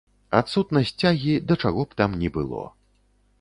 Адсутнасць цягі да чаго б там ні было.